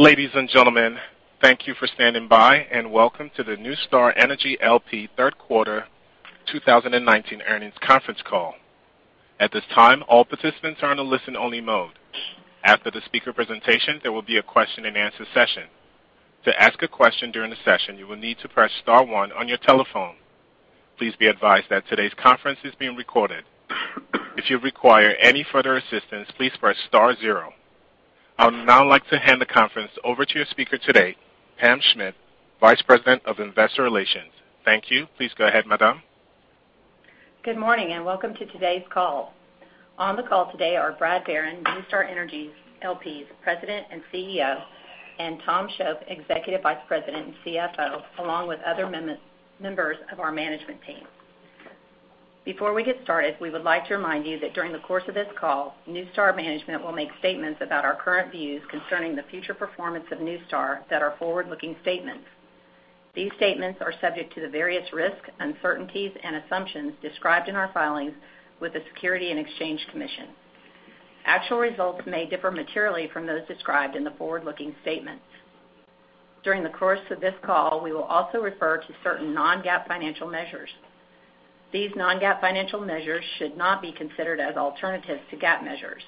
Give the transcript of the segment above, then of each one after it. Ladies and gentlemen, thank you for standing by. Welcome to the NuStar Energy L.P. third quarter 2019 earnings conference call. At this time, all participants are in a listen-only mode. After the speaker presentation, there will be a question and answer session. To ask a question during the session, you will need to press star one on your telephone. Please be advised that today's conference is being recorded. If you require any further assistance, please press star zero. I would now like to hand the conference over to your speaker today, Pam Schmidt, Vice President of Investor Relations. Thank you. Please go ahead, madam. Good morning, and welcome to today's call. On the call today are Brad Barron, NuStar Energy L.P.'s President and CEO, and Tom Shoaf, Executive Vice President and CFO, along with other members of our management team. Before we get started, we would like to remind you that during the course of this call, NuStar management will make statements about our current views concerning the future performance of NuStar that are forward-looking statements. These statements are subject to the various risks, uncertainties and assumptions described in our filings with the Securities and Exchange Commission. Actual results may differ materially from those described in the forward-looking statements. During the course of this call, we will also refer to certain non-GAAP financial measures. These non-GAAP financial measures should not be considered as alternatives to GAAP measures.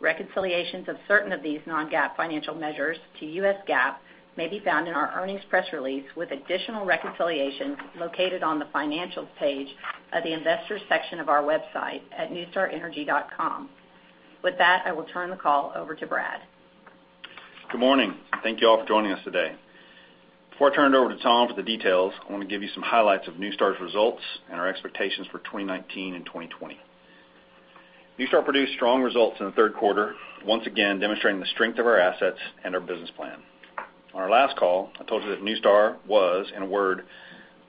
Reconciliations of certain of these non-GAAP financial measures to U.S. GAAP may be found in our earnings press release, with additional reconciliations located on the Financial page of the Investors section of our website at nustarenergy.com. With that, I will turn the call over to Brad. Good morning. Thank you all for joining us today. Before I turn it over to Tom for the details, I want to give you some highlights of NuStar's results and our expectations for 2019 and 2020. NuStar produced strong results in the third quarter, once again demonstrating the strength of our assets and our business plan. On our last call, I told you that NuStar was, in a word,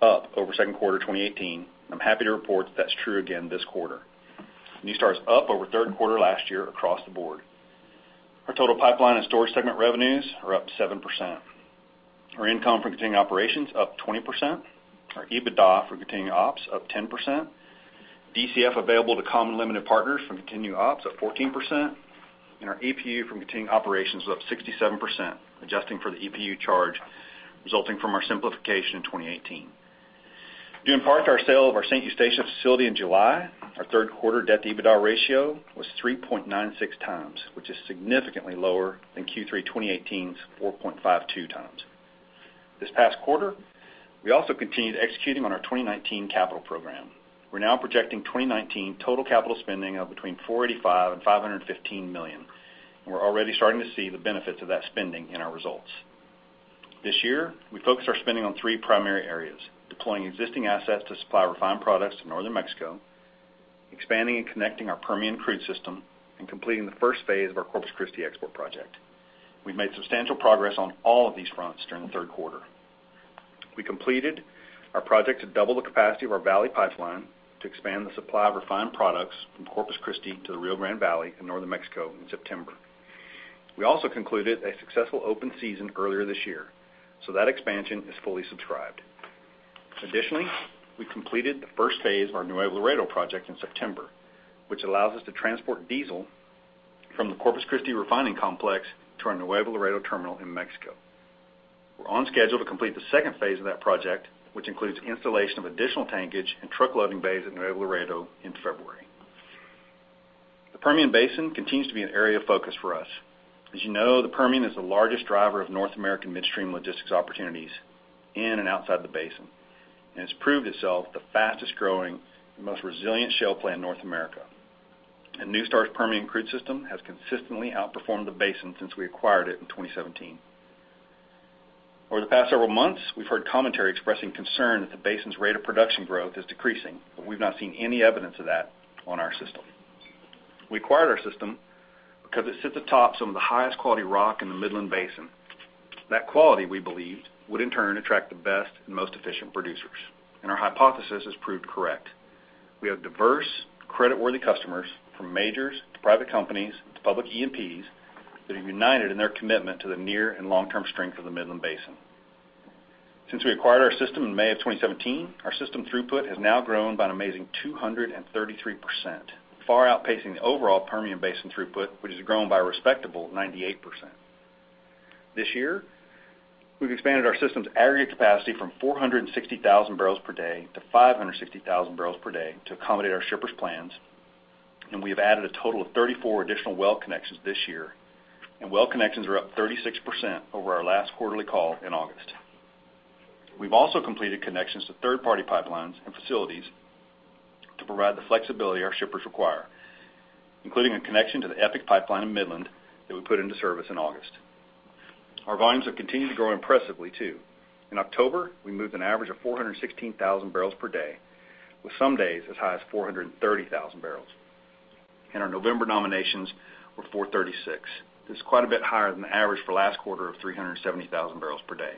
up over second quarter 2018. I'm happy to report that's true again this quarter. NuStar is up over third quarter last year across the board. Our total pipeline and storage segment revenues are up 7%. Our income from continuing operations up 20%. Our EBITDA for continuing ops up 10%. DCF available to common limited partners from continuing ops up 14%. Our EPU from continuing operations was up 67%, adjusting for the EPU charge resulting from our simplification in 2018. Due in part to our sale of our St. Eustatius facility in July, our third quarter debt-to-EBITDA ratio was 3.96 times, which is significantly lower than Q3 2018's 4.52 times. This past quarter, we also continued executing on our 2019 capital program. We're now projecting 2019 total capital spending of between $485 million and $515 million, and we're already starting to see the benefits of that spending in our results. This year, we focused our spending on three primary areas: deploying existing assets to supply refined products to northern Mexico, expanding and connecting our Permian Crude System, and completing the first phase of our Corpus Christi export project. We've made substantial progress on all of these fronts during the third quarter. We completed our project to double the capacity of our Valley Pipeline to expand the supply of refined products from Corpus Christi to the Rio Grande Valley in northern Mexico in September. We also concluded a successful open season earlier this year. That expansion is fully subscribed. Additionally, we completed the first phase of our Nuevo Laredo project in September, which allows us to transport diesel from the Corpus Christi refining complex to our Nuevo Laredo terminal in Mexico. We're on schedule to complete the 2nd phase of that project, which includes installation of additional tankage and truck loading bays at Nuevo Laredo in February. The Permian Basin continues to be an area of focus for us. As you know, the Permian is the largest driver of North American midstream logistics opportunities in and outside the basin, it's proved itself the fastest-growing and most resilient shale play in North America. NuStar's Permian Crude System has consistently outperformed the basin since we acquired it in 2017. Over the past several months, we've heard commentary expressing concern that the basin's rate of production growth is decreasing, we've not seen any evidence of that on our system. We acquired our system because it sits atop some of the highest quality rock in the Midland Basin. That quality, we believed, would in turn attract the best and most efficient producers, our hypothesis has proved correct. We have diverse, credit-worthy customers, from majors to private companies to public E&Ps, that are united in their commitment to the near and long-term strength of the Midland Basin. Since we acquired our system in May of 2017, our system throughput has now grown by an amazing 233%, far outpacing the overall Permian Basin throughput, which has grown by a respectable 98%. This year, we've expanded our system's aggregate capacity from 460,000 barrels per day to 560,000 barrels per day to accommodate our shippers' plans, and we have added a total of 34 additional well connections this year, and well connections are up 36% over our last quarterly call in August. We've also completed connections to third-party pipelines and facilities to provide the flexibility our shippers require, including a connection to the EPIC Pipeline in Midland that we put into service in August. Our volumes have continued to grow impressively, too. In October, we moved an average of 416,000 barrels per day, with some days as high as 430,000 barrels. Our November nominations were 436. This is quite a bit higher than the average for last quarter of 370,000 barrels per day.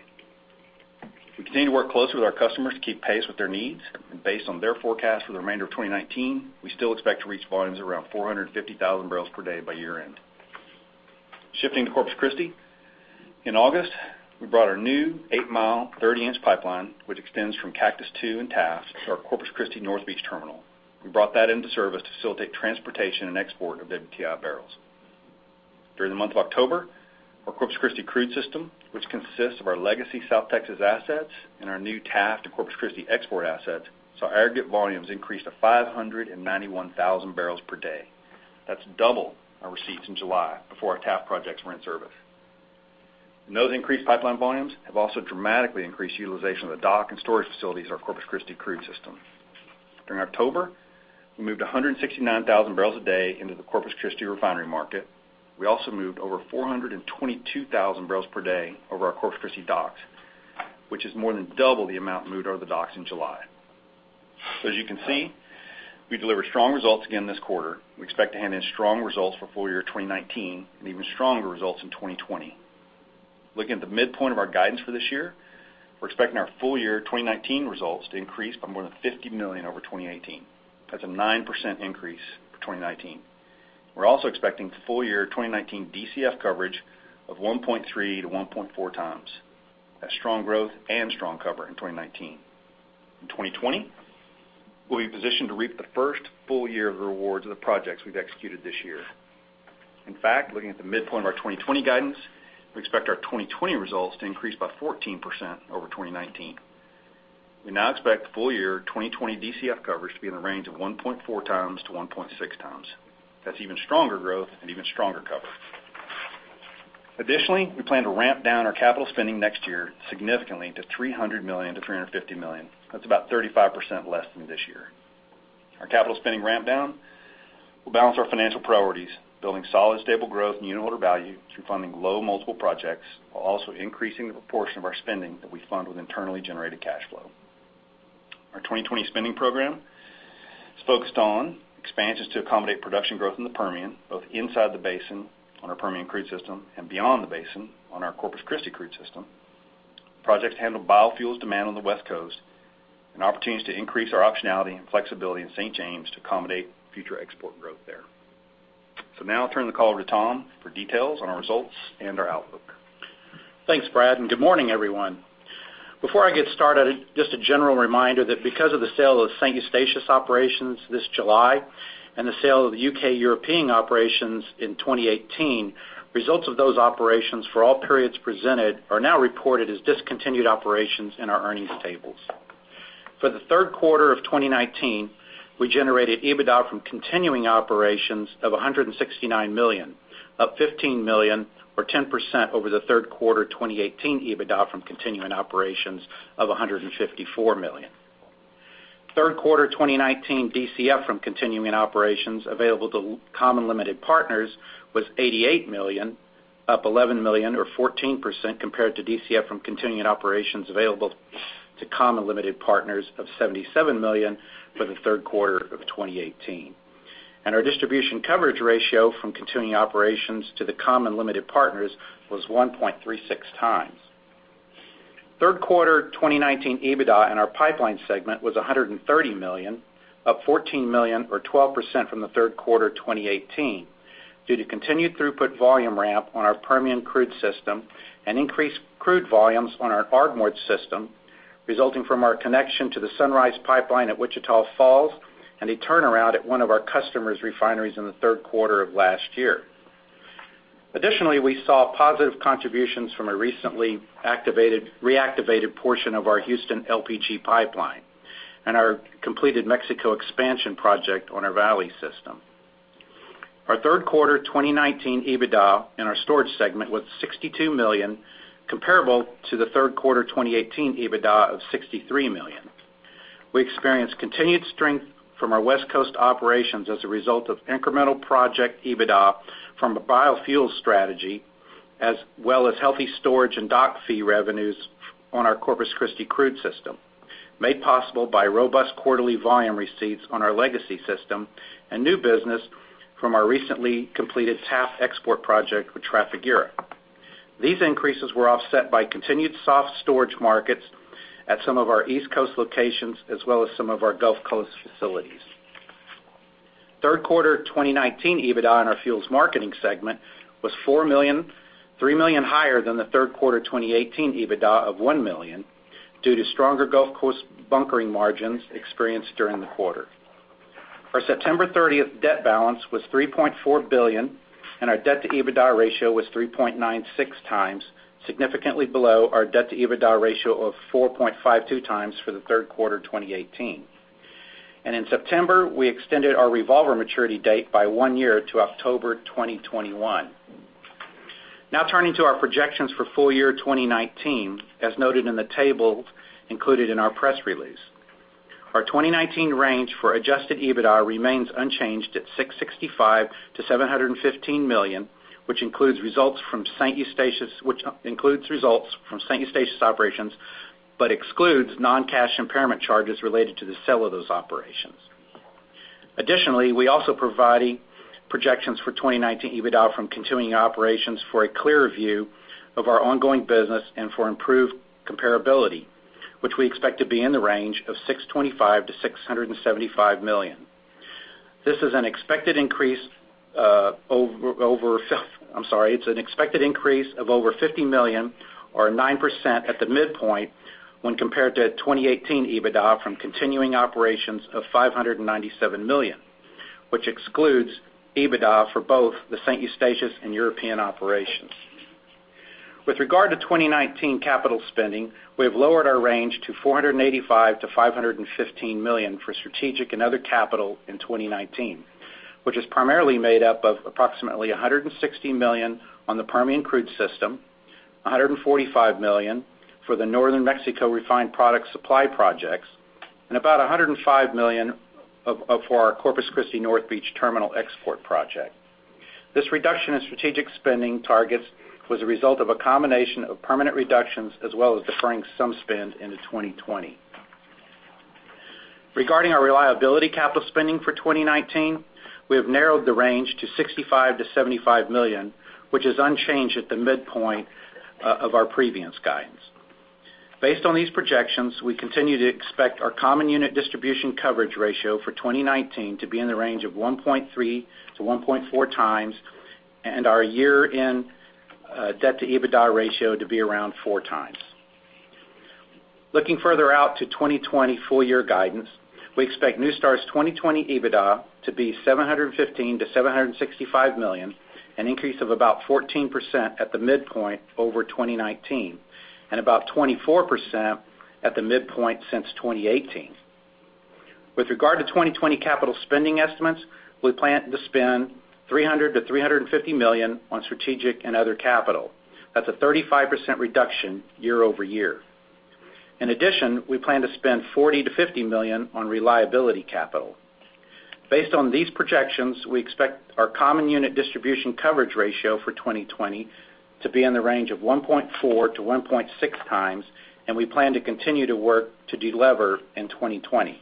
We continue to work closely with our customers to keep pace with their needs, and based on their forecast for the remainder of 2019, we still expect to reach volumes around 450,000 barrels per day by year-end. Shifting to Corpus Christi, in August, we brought our new eight-mile, 30-inch pipeline, which extends from Cactus II and Taft to our Corpus Christi North Beach terminal. We brought that into service to facilitate transportation and export of WTI barrels. During the month of October, our Corpus Christi Crude System, which consists of our legacy South Texas assets and our new Taft to Corpus Christi export assets, saw aggregate volumes increase to 591,000 barrels per day. That's double our receipts in July before our Taft projects were in service. Those increased pipeline volumes have also dramatically increased utilization of the dock and storage facilities at our Corpus Christi crude system. During October, we moved 169,000 barrels a day into the Corpus Christi refinery market. We also moved over 422,000 barrels per day over our Corpus Christi docks, which is more than double the amount moved out of the docks in July. As you can see, we delivered strong results again this quarter. We expect to hand in strong results for full year 2019, and even stronger results in 2020. Looking at the midpoint of our guidance for this year, we're expecting our full year 2019 results to increase by more than $50 million over 2018. That's a 9% increase for 2019. We're also expecting full year 2019 DCF coverage of 1.3-1.4 times. That's strong growth and strong cover in 2019. In 2020, we'll be positioned to reap the first full year of the rewards of the projects we've executed this year. In fact, looking at the midpoint of our 2020 guidance, we expect our 2020 results to increase by 14% over 2019. We now expect the full year 2020 DCF coverage to be in the range of 1.4 times to 1.6 times. That's even stronger growth and even stronger coverage. Additionally, we plan to ramp down our capital spending next year significantly to $300 million to $350 million. That's about 35% less than this year. Our capital spending ramp down will balance our financial priorities, building solid, stable growth and unitholder value through funding low multiple projects, while also increasing the proportion of our spending that we fund with internally generated cash flow. Our 2020 spending program is focused on expansions to accommodate production growth in the Permian, both inside the basin on our Permian Crude System and beyond the basin on our Corpus Christi Crude System, projects to handle biofuels demand on the West Coast, and opportunities to increase our optionality and flexibility in St. James to accommodate future export growth there. Now I'll turn the call over to Tom for details on our results and our outlook. Thanks, Brad, and good morning, everyone. Before I get started, just a general reminder that because of the sale of the St. Eustatius operations this July and the sale of the U.K. European operations in 2018, results of those operations for all periods presented are now reported as discontinued operations in our earnings tables. For the third quarter of 2019, we generated EBITDA from continuing operations of $169 million, up $15 million or 10% over the third quarter 2018 EBITDA from continuing operations of $154 million. Third quarter 2019 DCF from continuing operations available to common limited partners was $88 million, up $11 million or 14% compared to DCF from continuing operations available to common limited partners of $77 million for the third quarter of 2018. Our distribution coverage ratio from continuing operations to the common limited partners was 1.36 times. Third quarter 2019 EBITDA in our pipeline segment was $130 million, up $14 million or 12% from the third quarter 2018, due to continued throughput volume ramp on our Permian Crude System and increased crude volumes on our Ardmore system, resulting from our connection to the Sunrise Pipeline at Wichita Falls and a turnaround at one of our customer's refineries in the third quarter of last year. Additionally, we saw positive contributions from a recently reactivated portion of our Houston LPG pipeline and our completed Mexico expansion project on our Valley system. Our third quarter 2019 EBITDA in our storage segment was $62 million, comparable to the third quarter 2018 EBITDA of $63 million. We experienced continued strength from our West Coast operations as a result of incremental project EBITDA from a biofuel strategy, as well as healthy storage and dock fee revenues on our Corpus Christi crude system, made possible by robust quarterly volume receipts on our legacy system and new business from our recently completed Taft export project with Trafigura. These increases were offset by continued soft storage markets at some of our East Coast locations as well as some of our Gulf Coast facilities. Third quarter 2019 EBITDA in our fuels marketing segment was $4 million, $3 million higher than the third quarter 2018 EBITDA of $1 million, due to stronger Gulf Coast bunkering margins experienced during the quarter. Our September 30th debt balance was $3.4 billion, and our debt-to-EBITDA ratio was 3.96 times, significantly below our debt-to-EBITDA ratio of 4.52 times for the third quarter 2018. In September, we extended our revolver maturity date by one year to October 2021. Turning to our projections for full year 2019, as noted in the table included in our press release. Our 2019 range for adjusted EBITDA remains unchanged at $665 million-$715 million, which includes results from St. Eustatius operations, but excludes non-cash impairment charges related to the sale of those operations. Additionally, we also provide projections for 2019 EBITDA from continuing operations for a clearer view of our ongoing business and for improved comparability, which we expect to be in the range of $625 million-$675 million. This is an expected increase of over $50 million or 9% at the midpoint when compared to 2018 EBITDA from continuing operations of $597 million, which excludes EBITDA for both the St. Eustatius and European operations. With regard to 2019 capital spending, we have lowered our range to $485 million-$515 million for strategic and other capital in 2019, which is primarily made up of approximately $160 million on the Permian Crude System, $145 million for the Northern Mexico refined product supply projects, and about $105 million for our Corpus Christi North Beach terminal export project. This reduction in strategic spending targets was a result of a combination of permanent reductions, as well as deferring some spend into 2020. Regarding our reliability capital spending for 2019, we have narrowed the range to $65 million-$75 million, which is unchanged at the midpoint of our previous guidance. Based on these projections, we continue to expect our common unit distribution coverage ratio for 2019 to be in the range of 1.3 to 1.4 times, and our year-end debt-to-EBITDA ratio to be around four times. Looking further out to 2020 full-year guidance, we expect NuStar's 2020 EBITDA to be $715 million-$765 million, an increase of about 14% at the midpoint over 2019, and about 24% at the midpoint since 2018. With regard to 2020 capital spending estimates, we plan to spend $300 million-$350 million on strategic and other capital. That's a 35% reduction year-over-year. In addition, we plan to spend $40 million-$50 million on reliability capital. Based on these projections, we expect our common unit distribution coverage ratio for 2020 to be in the range of 1.4-1.6 times, and we plan to continue to work to de-lever in 2020.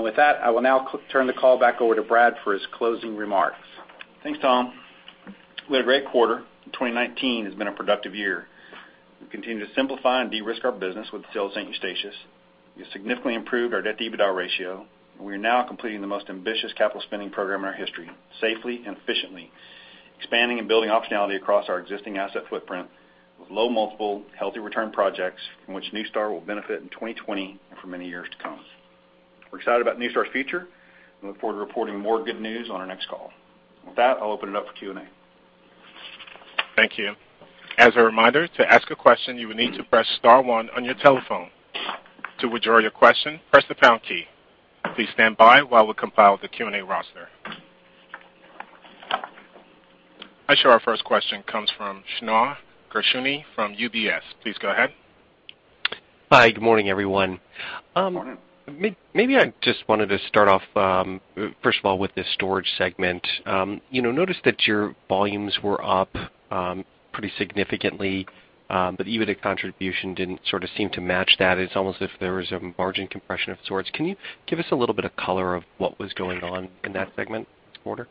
With that, I will now turn the call back over to Brad for his closing remarks. Thanks, Tom. We had a great quarter. 2019 has been a productive year. We continue to simplify and de-risk our business with the sale of St. Eustatius. We have significantly improved our debt to EBITDA ratio, and we are now completing the most ambitious capital spending program in our history, safely and efficiently, expanding and building optionality across our existing asset footprint with low multiple, healthy return projects from which NuStar will benefit in 2020 and for many years to come. We're excited about NuStar's future and look forward to reporting more good news on our next call. With that, I'll open it up for Q&A. Thank you. As a reminder, to ask a question, you will need to press *1 on your telephone. To withdraw your question, press the # key. Please stand by while we compile the Q&A roster. I show our first question comes from Shneur Gershuny from UBS. Please go ahead. Hi. Good morning, everyone. Good morning. Maybe I just wanted to start off, first of all, with the storage segment. Noticed that your volumes were up pretty significantly, but EBITDA contribution didn't sort of seem to match that. It's almost as if there was a margin compression of sorts. Can you give us a little bit of color of what was going on in that segment this quarter?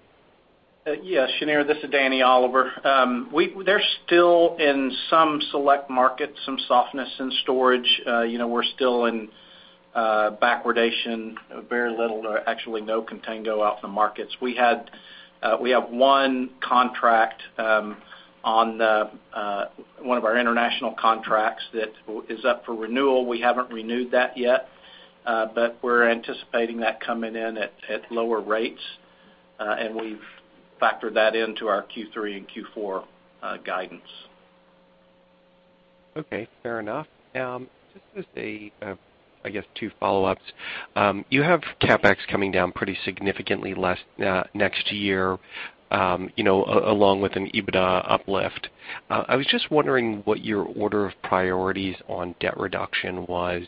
Yeah, Shneur. This is Danny Oliver. There's still, in some select markets, some softness in storage. We're still in backwardation. Very little to actually no contango off the markets. We have one contract on one of our international contracts that is up for renewal. We haven't renewed that yet, but we're anticipating that coming in at lower rates, and we've factored that into our Q3 and Q4 guidance. Okay. Fair enough. Just as a, I guess, two follow-ups. You have CapEx coming down pretty significantly next year, along with an EBITDA uplift. I was just wondering what your order of priorities on debt reduction was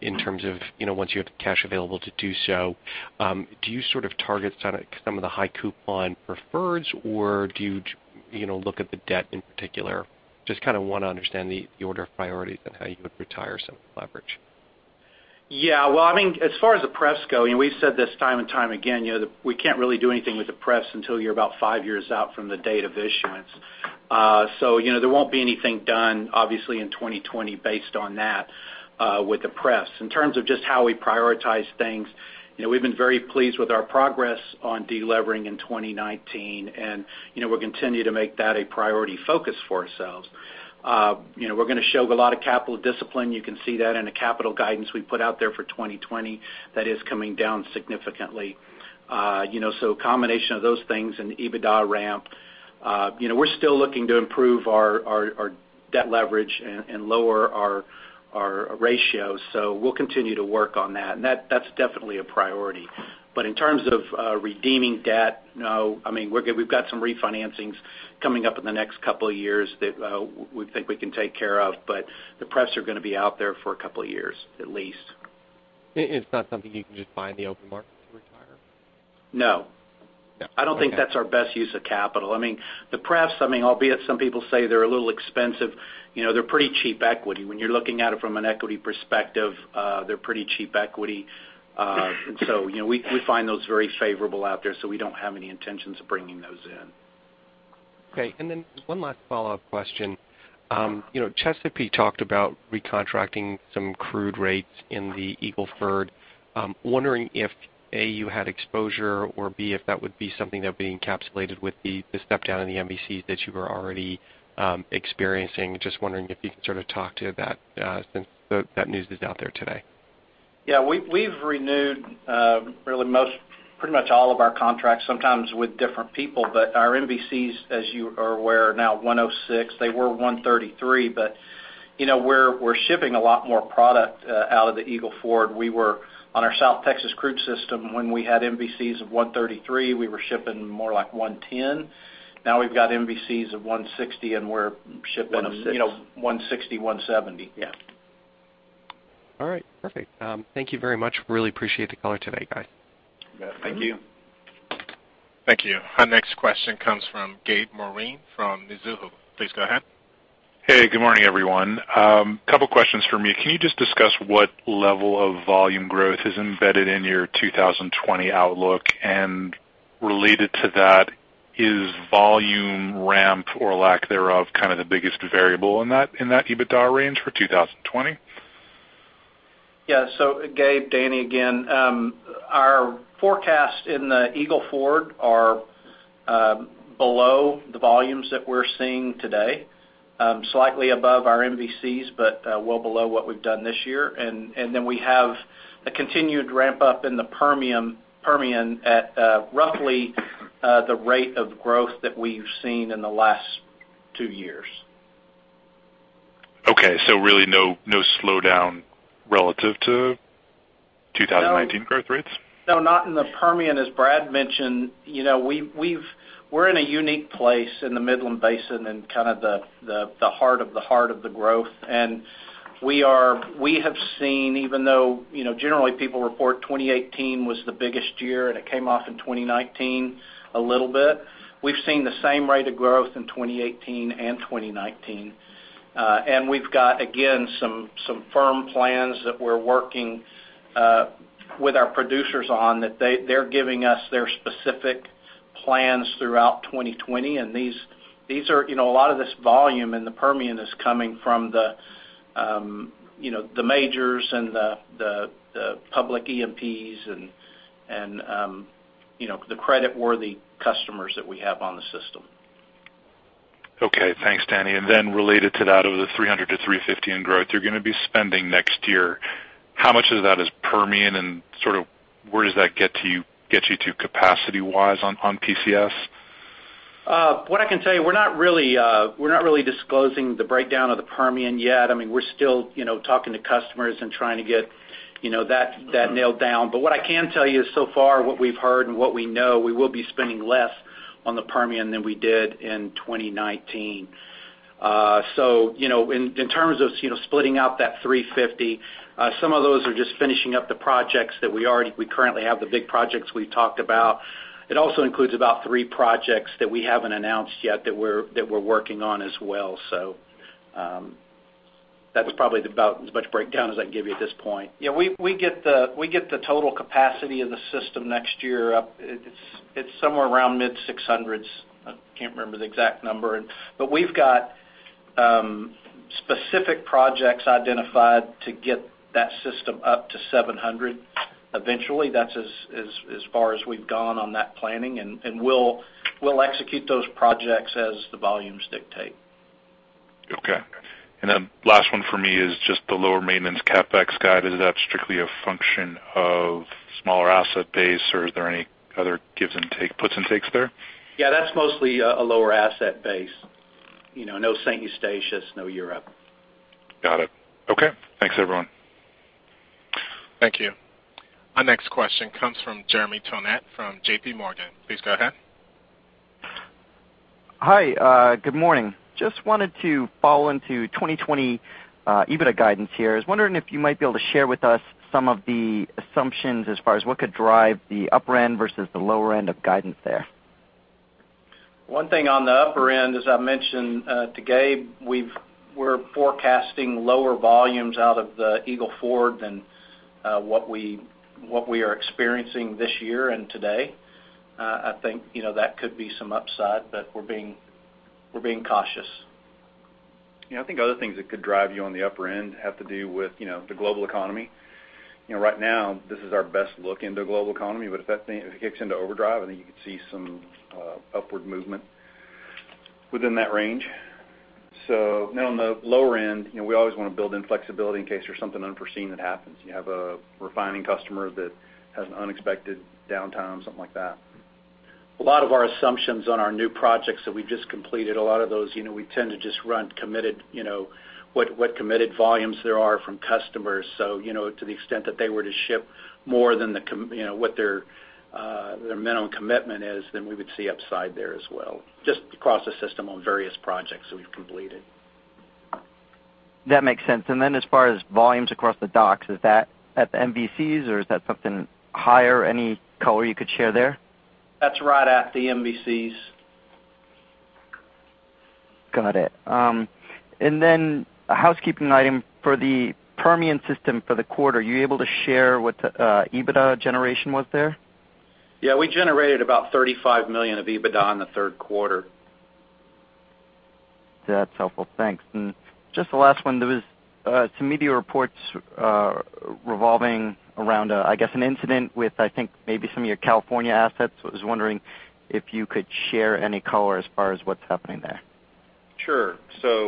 in terms of once you have the cash available to do so. Do you sort of target some of the high coupon preferreds, or do you look at the debt in particular? Just kind of want to understand the order of priorities on how you would retire some leverage. Yeah. Well, as far as the pref's go, and we've said this time and time again, we can't really do anything with the pref's until you're about five years out from the date of issuance. There won't be anything done, obviously, in 2020 based on that with the pref's. In terms of just how we prioritize things, we've been very pleased with our progress on de-levering in 2019, and we'll continue to make that a priority focus for ourselves. We're going to show a lot of capital discipline. You can see that in the capital guidance we put out there for 2020. That is coming down significantly. A combination of those things and the EBITDA ramp. We're still looking to improve our debt leverage and lower our ratio, so we'll continue to work on that. That's definitely a priority. In terms of redeeming debt? No. We've got some refinancings coming up in the next couple of years that we think we can take care of, but the pref's are going to be out there for a couple of years, at least. It's not something you can just buy in the open market to retire? No. No. Okay. I don't think that's our best use of capital. The pref's, albeit some people say they're a little expensive, they're pretty cheap equity. When you're looking at it from an equity perspective, they're pretty cheap equity. We find those very favorable out there, so we don't have any intentions of bringing those in. Okay. One last follow-up question. Chesapeake talked about recontracting some crude rates in the Eagle Ford. I'm wondering if, A, you had exposure, or B, if that would be something that would be encapsulated with the step-down in the MVCs that you were already experiencing. Just wondering if you can sort of talk to that, since that news is out there today. Yeah. We've renewed pretty much all of our contracts, sometimes with different people. Our MVCs, as you are aware, are now 106. They were 133, but we're shipping a lot more product out of the Eagle Ford. We were on our South Texas crude system when we had MVCs of 133. We were shipping more like 110. Now we've got MVCs of 160, and we're shipping- 160 160, 170. Yeah. All right. Perfect. Thank you very much. Really appreciate the call today, guys. Yeah. Thank you. Thank you. Our next question comes from Gabe Moreen from Mizuho. Please go ahead. Hey. Good morning, everyone. Couple questions from me. Can you just discuss what level of volume growth is embedded in your 2020 outlook? Related to that, is volume ramp, or lack thereof, kind of the biggest variable in that EBITDA range for 2020? Yeah. Gabe, Danny again. Our forecast in the Eagle Ford are below the volumes that we're seeing today. Slightly above our MVCs, but well below what we've done this year. We have a continued ramp-up in the Permian at roughly the rate of growth that we've seen in the last two years. Okay. really no slowdown relative to 2019 growth rates? No, not in the Permian. As Brad mentioned, we're in a unique place in the Midland Basin and kind of the heart of the growth, and we have seen, even though generally people report 2018 was the biggest year, and it came off in 2019 a little bit. We've seen the same rate of growth in 2018 and 2019. We've got, again, some firm plans that we're working with our producers on that they're giving us their specific plans throughout 2020, and a lot of this volume in the Permian is coming from the majors and the public E&Ps and the creditworthy customers that we have on the system. Okay. Thanks, Danny. Related to that, of the 300-350 in growth you're going to be spending next year, how much of that is Permian, and sort of where does that get you to capacity wise on PCS? What I can tell you, we're not really disclosing the breakdown of the Permian yet. We're still talking to customers and trying to get that nailed down. What I can tell you is so far what we've heard and what we know, we will be spending less on the Permian than we did in 2019. In terms of splitting out that 350, some of those are just finishing up the projects that we currently have, the big projects we've talked about. It also includes about three projects that we haven't announced yet that we're working on as well. That's probably about as much breakdown as I can give you at this point. Yeah, we get the total capacity in the system next year up. It's somewhere around mid-600s. I can't remember the exact number. we've got specific projects identified to get that system up to 700 eventually. That's as far as we've gone on that planning, and we'll execute those projects as the volumes dictate. Okay. last one for me is just the lower maintenance CapEx guide. Is that strictly a function of smaller asset base, or is there any other gives and takes, puts and takes there? Yeah, that's mostly a lower asset base. No St. Eustatius, no Europe. Got it. Okay. Thanks, everyone. Thank you. Our next question comes from Jeremy Tonet from J.P. Morgan. Please go ahead. Hi. Good morning. Just wanted to follow into 2020 EBITDA guidance here. I was wondering if you might be able to share with us some of the assumptions as far as what could drive the upper end versus the lower end of guidance there. One thing on the upper end, as I mentioned to Gabe, we're forecasting lower volumes out of the Eagle Ford than what we are experiencing this year and today. I think that could be some upside, but we're being cautious. Yeah, I think other things that could drive you on the upper end have to do with the global economy. Right now, this is our best look into global economy, but if that thing kicks into overdrive, I think you could see some upward movement within that range. Now on the lower end, we always want to build in flexibility in case there's something unforeseen that happens. You have a refining customer that has an unexpected downtime, something like that. A lot of our assumptions on our new projects that we've just completed, a lot of those we tend to just run what committed volumes there are from customers. To the extent that they were to ship more than what their minimum commitment is, then we would see upside there as well, just across the system on various projects that we've completed. That makes sense. As far as volumes across the docks, is that at the MVCs or is that something higher? Any color you could share there? That's right at the MVCs. Got it. A housekeeping item for the Permian system for the quarter, are you able to share what the EBITDA generation was there? Yeah, we generated about $35 million of EBITDA in the third quarter. That's helpful. Thanks. Just the last one, there was some media reports revolving around, I guess, an incident with, I think, maybe some of your California assets. I was wondering if you could share any color as far as what's happening there. Sure.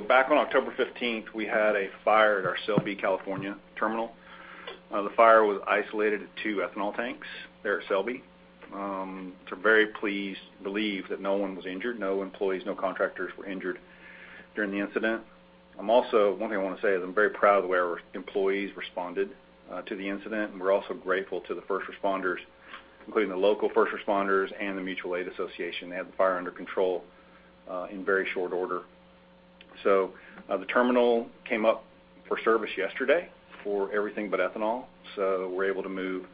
Back on October 15th, we had a fire at our Selby, California terminal. The fire was isolated to two ethanol tanks there at Selby. Very pleased, believed that no one was injured, no employees, no contractors were injured during the incident. One thing I want to say is I'm very proud of the way our employees responded to the incident, and we're also grateful to the first responders, including the local first responders and the Mutual Aid Association. They had the fire under control in very short order. The terminal came up for service yesterday for everything but ethanol. We're able to move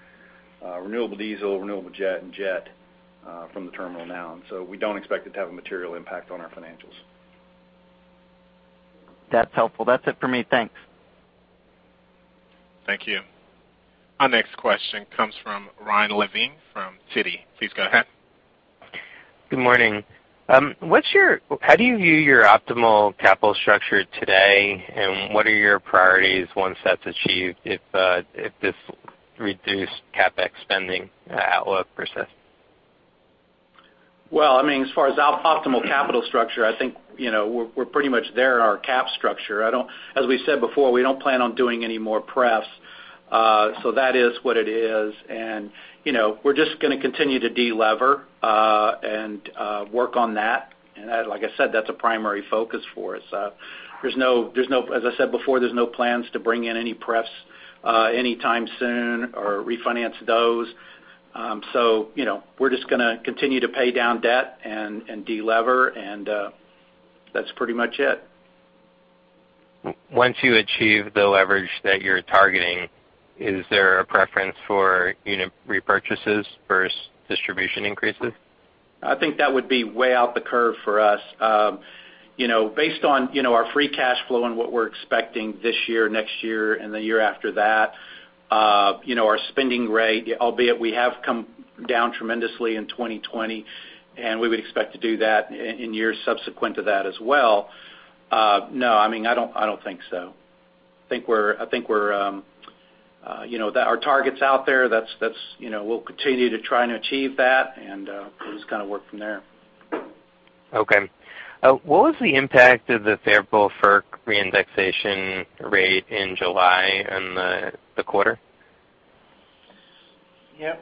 renewable diesel, renewable jet, and jet from the terminal now. We don't expect it to have a material impact on our financials. That's helpful. That's it for me. Thanks. Thank you. Our next question comes from Ryan Levine from Citi. Please go ahead. Good morning. How do you view your optimal capital structure today, and what are your priorities once that's achieved if this reduced CapEx spending outlook persists? Well, as far as optimal capital structure, I think, we're pretty much there in our cap structure. As we said before, we don't plan on doing any more pref, so that is what it is. we're just going to continue to de-lever and work on that. like I said, that's a primary focus for us. As I said before, there's no plans to bring in any pref anytime soon or refinance those. we're just going to continue to pay down debt and de-lever, and that's pretty much it. Once you achieve the leverage that you're targeting, is there a preference for unit repurchases versus distribution increases? I think that would be way out the curve for us. Based on our free cash flow and what we're expecting this year, next year, and the year after that, our spending rate, albeit we have come down tremendously in 2020, and we would expect to do that in years subsequent to that as well. No, I don't think so. I think our target's out there. We'll continue to try and achieve that and just kind of work from there. Okay. What was the impact of the favorable FERC reindexation rate in July on the quarter? Yep.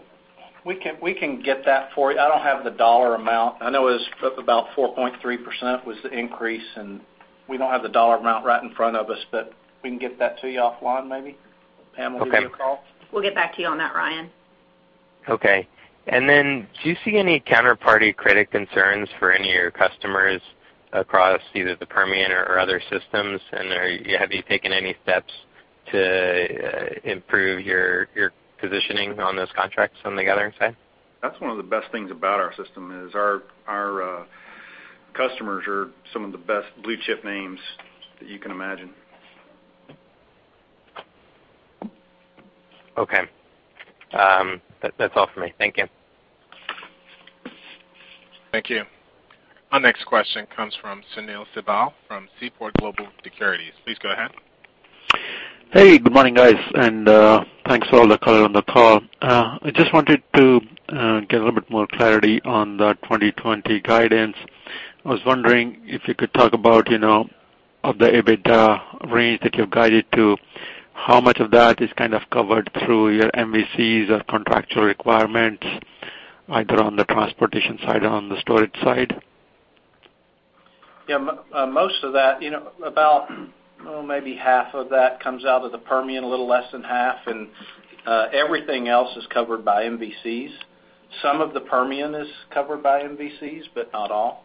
We can get that for you. I don't have the dollar amount. I know it was up about 4.3% was the increase, and we don't have the dollar amount right in front of us, but we can get that to you offline maybe. Pam will give you a call. Okay. We'll get back to you on that, Ryan. Okay. Do you see any counterparty credit concerns for any of your customers across either the Permian or other systems? Have you taken any steps to improve your positioning on those contracts on the gathering side? That's one of the best things about our system is our customers are some of the best blue-chip names that you can imagine. Okay. That's all for me. Thank you. Thank you. Our next question comes from Sunil Sibal from Seaport Global Securities. Please go ahead. Hey, good morning, guys, and thanks for all the color on the call. I just wanted to get a little bit more clarity on the 2020 guidance. I was wondering if you could talk about, of the EBITDA range that you've guided to, how much of that is kind of covered through your MVCs or contractual requirements, either on the transportation side or on the storage side? Yeah. Most of that, about maybe half of that comes out of the Permian, a little less than half, and everything else is covered by MVCs. Some of the Permian is covered by MVCs, but not all.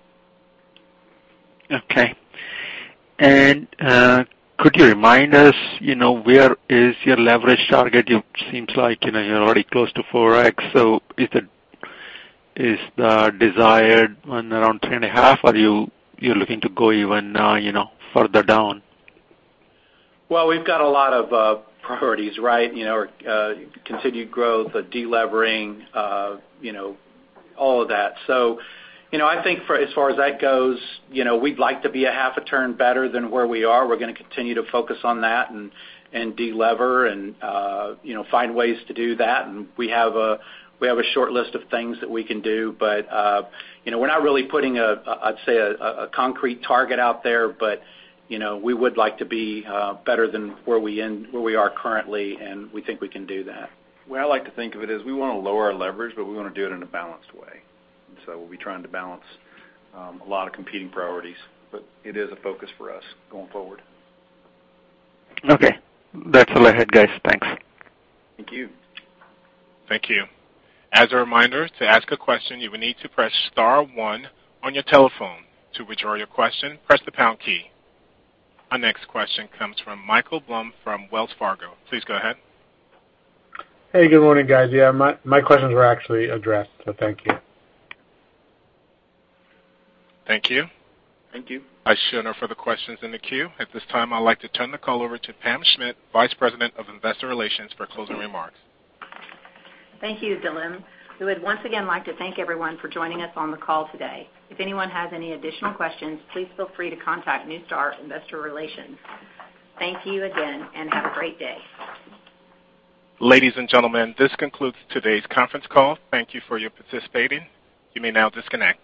Okay. Could you remind us where is your leverage target? It seems like you're already close to 4x, so is the desired one around 3.5, or you're looking to go even further down? Well, we've got a lot of priorities, continued growth, de-levering, all of that. I think as far as that goes, we'd like to be a half a turn better than where we are. We're going to continue to focus on that and de-lever and find ways to do that. We have a short list of things that we can do, but we're not really putting, I'd say, a concrete target out there. We would like to be better than where we are currently, and we think we can do that. The way I like to think of it is we want to lower our leverage, but we want to do it in a balanced way. We'll be trying to balance a lot of competing priorities, but it is a focus for us going forward. Okay. That's all I had, guys. Thanks. Thank you. Thank you. As a reminder, to ask a question, you will need to press star one on your telephone. To withdraw your question, press the pound key. Our next question comes from Michael Blum from Wells Fargo. Please go ahead. Hey, good morning, guys. Yeah, my questions were actually addressed, so thank you. Thank you. Thank you. I show no further questions in the queue. At this time, I'd like to turn the call over to Pam Schmidt, Vice President of Investor Relations, for closing remarks. Thank you, Dylan. We would once again like to thank everyone for joining us on the call today. If anyone has any additional questions, please feel free to contact NuStar Investor Relations. Thank you again, and have a great day. Ladies and gentlemen, this concludes today's conference call. Thank you for your participation. You may now disconnect.